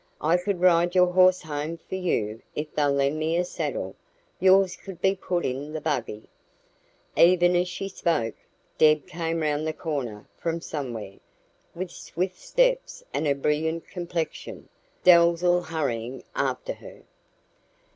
I could ride your horse home for you if they'll lend me a saddle; yours could be put in the buggy " Even as he spoke, Deb came round the corner from somewhere, with swift steps and a brilliant complexion, Dalzell hurrying after her.